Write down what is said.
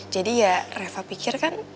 jadi ya reva pikir kan